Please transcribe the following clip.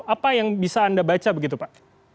apa yang bisa anda baca begitu pak